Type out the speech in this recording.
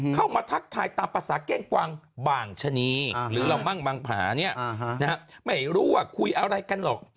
เข้ามาทักทายตามภาษาเก้งกวางบางชนีไม่รู้ว่าคุยอะไรกันหรอก